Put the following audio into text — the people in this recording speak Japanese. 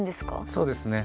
そうですね。